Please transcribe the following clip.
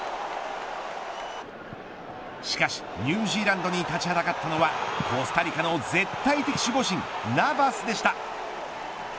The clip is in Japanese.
しかしニュージーランドに立ちはだかったのはコスタリカの絶対的守護神ナヴァスでした。